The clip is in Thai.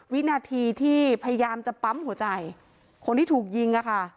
วินาทีที่พยายามจะปั๊มหัวใจคนที่ถูกยิงอะค่ะ